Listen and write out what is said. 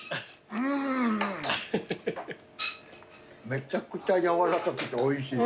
めちゃくちゃ軟らかくておいしい。